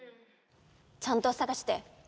ちゃんとさがして！